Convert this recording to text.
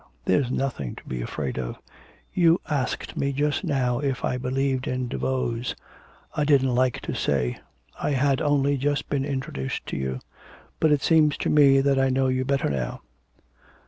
there's nothing to be afraid of. You asked me just now if I believed in Daveau's, I didn't like to say; I had only just been introduced to you; but it seems to me that I know you better now...